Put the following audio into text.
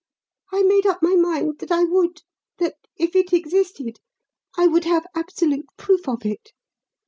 I made up my mind that I would that, if it existed, I would have absolute proof of it.